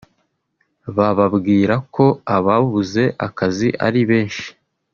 bababwira ko ababuze akazi ari benshi